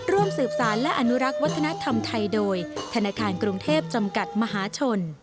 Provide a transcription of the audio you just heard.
ร่วมสืบสารและอนุรักษ์วัฒนธรรมไทยโดยธนาคารกรุงเทพจำกัดมหาชน